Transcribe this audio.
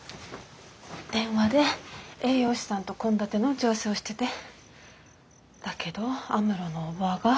電話で栄養士さんと献立の打ち合わせをしててだけど安室のおばぁが。